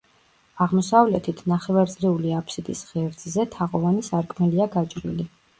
აღმოსავლეთით, ნახევარწრიული აფსიდის ღერძზე თაღოვანი სარკმელია გაჭრილი.